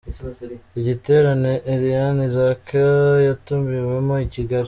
Igiterane Eliane Isaac yatumiwemo i Kigali.